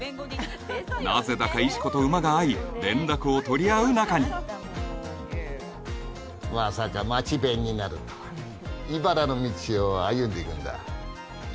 なぜだか石子と馬が合い連絡を取り合う仲にまさかマチベンになるとはねいばらの道を歩んでいくんだ